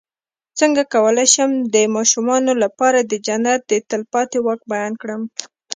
څنګه کولی شم د ماشومانو لپاره د جنت د تل پاتې واک بیان کړم